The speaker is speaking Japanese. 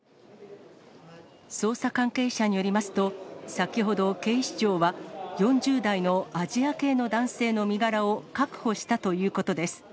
捜査関係者によりますと、先ほど警視庁は、４０代のアジア系の男性の身柄を確保したということです。